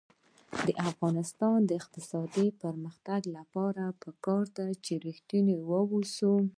د افغانستان د اقتصادي پرمختګ لپاره پکار ده چې ریښتیني اوسو.